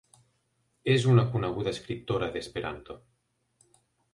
És una coneguda escriptora d'esperanto.